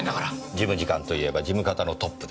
事務次官といえば事務方のトップです。